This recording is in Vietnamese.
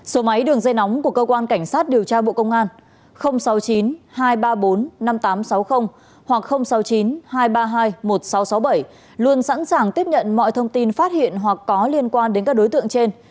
số máy đường dây nóng của cơ quan cảnh sát điều tra bộ công an sáu mươi chín hai trăm ba mươi bốn năm nghìn tám trăm sáu mươi hoặc sáu mươi chín hai trăm ba mươi hai một nghìn sáu trăm sáu mươi bảy luôn sẵn sàng tiếp nhận mọi thông tin phát hiện hoặc có liên quan đến các đối tượng trên